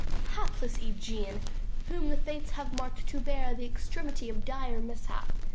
_ Hapless Ægeon, whom the fates have mark'd To bear the extremity of dire mishap!